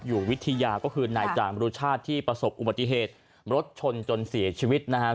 อยู่วิทยาก็คือนายจามรุชาติที่ประสบอุบัติเหตุรถชนจนเสียชีวิตนะครับ